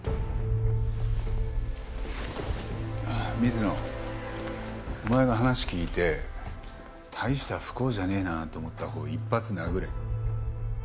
水野お前が話聞いて大した不幸じゃねえなと思ったほうを１発殴れ。